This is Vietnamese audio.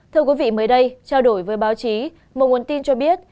thưa quý vị mới đây trao đổi với báo chí một nguồn tin cho biết